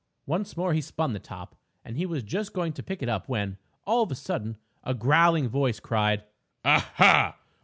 Once more he spun the top, and he was just going to pick it up when, all of a sudden, a growling voice cried: "Ah, ha!